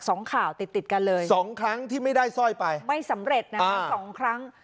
สองข่าวติดกันเลยไปสำเร็จนะครับสองครั้ง